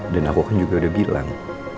dan aku kan juga udah bilang